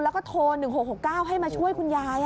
แล้วก็โทร๑๖๖๙ให้มาช่วยคุณยาย